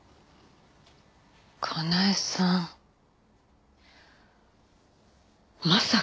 かなえさんまさか。